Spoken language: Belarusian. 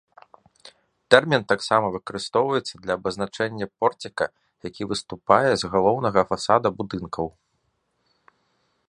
Тэрмін таксама выкарыстоўваецца для абазначэння порціка, які выступае з галоўнага фасада будынкаў.